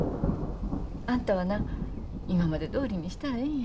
あんたはな今までどおりにしたらええんや。